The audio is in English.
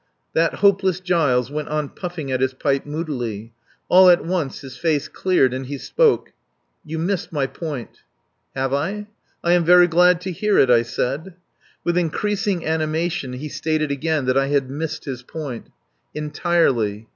That hopeless Giles went on puffing at his pipe moodily. All at once his face cleared, and he spoke. "You missed my point." "Have I? I am very glad to hear it," I said. With increasing animation he stated again that I had missed his point. Entirely.